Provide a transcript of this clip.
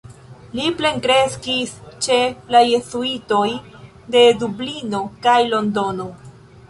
Li plenkreskis ĉe la jezuitoj de Dublino kaj Londono.